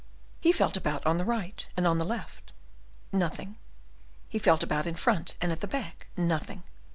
He felt about on the right, and on the left, nothing. He felt about in front and at the back, nothing.